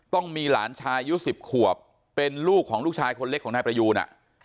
ต้องมีหลานชายอายุ๑๐ขวบเป็นลูกของลูกชายคนเล็กของนายประยูน